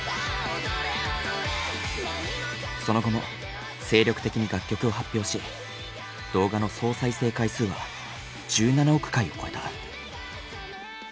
その後も精力的に楽曲を発表し動画の総再生回数は１７億回を超えた。